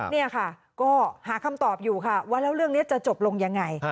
นี่ค่ะก็หาคำตอบอยู่ค่ะว่าแล้วเรื่องนี้จะจบลงยังไง